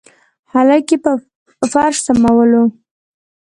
هلک يې په فرش سملوه.